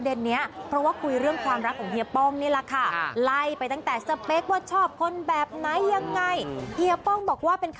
เดี๋ยวไปดูภาพชุนลมุลช่วงนายนิดนึง